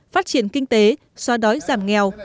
phát triển kinh tế xóa đói giảm nghèo